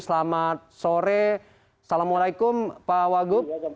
selamat sore assalamualaikum pak wagub